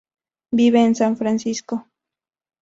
Vive en San Francisco.